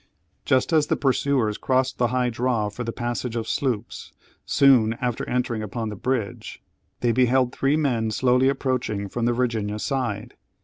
Just as the pursuers crossed the high draw for the passage of sloops, soon after entering upon the bridge, they beheld three men slowly approaching from the Virginia side.